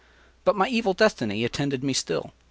But my evil destiny attended me still.